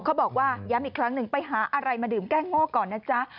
บอกว่าย้ำอีกครั้งหนึ่งไปหาอะไรมาดื่มแก้งโง่ก่อนนะจ๊ะ